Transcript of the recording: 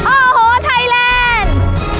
โอ้โหไทยแลนด์